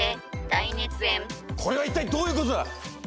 これはいったいどういうことだ！